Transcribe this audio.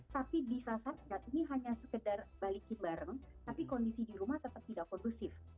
tapi bisa saja ini hanya sekedar balikin bareng tapi kondisi di rumah tetap tidak kondusif